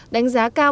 đánh giá cao